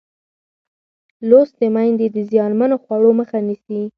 لوستې میندې د زیانمنو خوړو مخه نیسي.